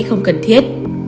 không cần thiết